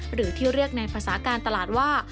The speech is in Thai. หรือที่เรียกในภาษาการตลาดว่า